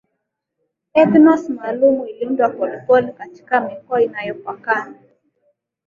Ethnos maalum iliundwa pole pole katika mikoa inayopakana